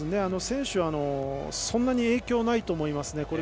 選手はそんなに影響ないと思いますね。